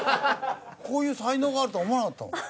こういう才能があるとは思わなかったもん。